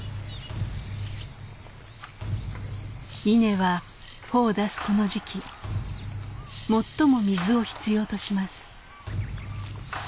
稲は穂を出すこの時期最も水を必要とします。